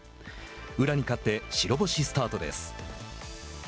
宇良に勝って白星スタートです。